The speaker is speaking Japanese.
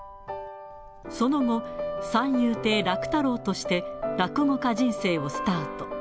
その後、三遊亭楽太郎として落語家人生をスタート。